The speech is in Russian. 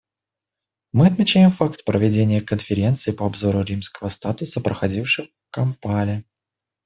Мы отмечаем факт проведения Конференции по обзору Римского статута, проходившей в Кампале.